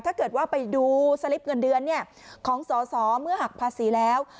ถ้าเกิดว่าไปดูสลิปเงินเดือนของสอสอเมื่อหักภาษีแล้ว